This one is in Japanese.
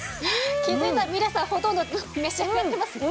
気づいたらみれさんほとんど召し上がってますね。